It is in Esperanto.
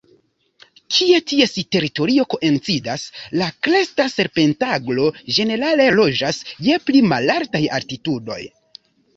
Kie ties teritorio koincidas, la Kresta serpentaglo ĝenerale loĝas je pli malaltaj altitudoj.